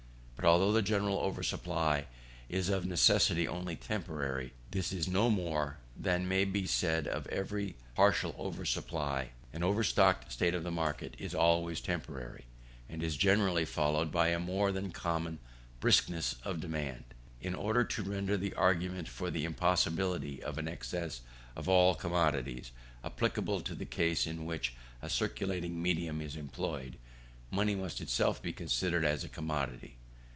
But although the general over supply is of necessity only temporary, this is no more than may be said of every partial over supply. An overstocked state of the market is always temporary, and is generally followed by a more than common briskness of demand. In order to render the argument for the impossibility of an excess of all commodities applicable to the case in which a circulating medium is employed, money must itself be considered as a commodity.